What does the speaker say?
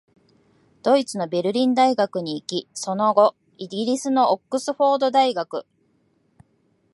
ドイツのベルリン大学に行き、その後、イギリスのオックスフォード大学、